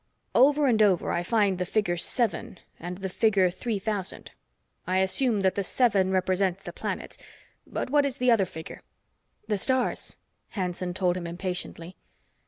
"Over and over I find the figure seven and the figure three thousand. I assume that the seven represents the planets. But what is the other figure?" "The stars," Hanson told him impatiently.